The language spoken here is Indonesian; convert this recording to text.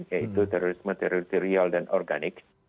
yaitu terorisme teritorial dan organik